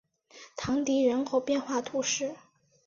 唐迪人口变化图示